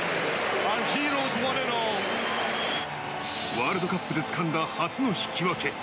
ワールドカップで掴んだ初の引き分け。